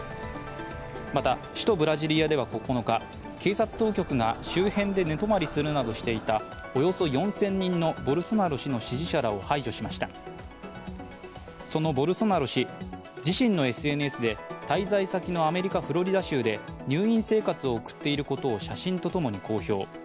また、首都ブラジリアでは９日、警察当局が周辺で寝泊まりするなどしていたおよそ４０００人のそのボルソナロ氏、自身のＳＮＳで滞在先のアメリカ・フロリダ州で入院生活を送っていることを写真と共に公表。